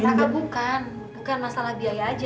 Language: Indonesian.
bukan bukan masalah biaya aja